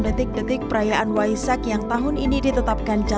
detik detik perayaan waisak yang tahun ini ditetapkan